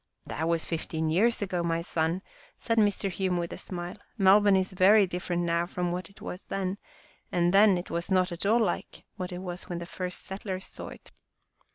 " That was fifteen years ago, my son," said Mr. Hume with a smile. " Melbourne is very different now from what it was then, and then it was not at all like it was when its first settlers saw it.